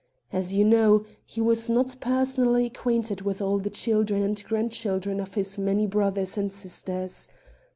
As you know, he was not personally acquainted with all the children and grandchildren of his many brothers and sisters.